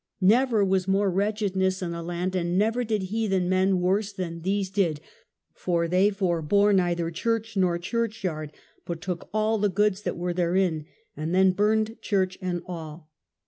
Never was more wretchedness in a land, and never did heathen men worse than these did, for they forbore neither church nor churchyard, but took all the goods that were therein, and then burned church and all.